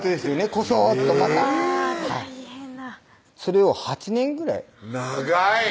こそっとえぇそれを８年ぐらい長い！